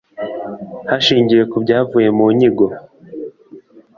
Hashingiwe ku byavuye mu nyigo